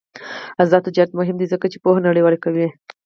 آزاد تجارت مهم دی ځکه چې پوهه نړیواله کوي.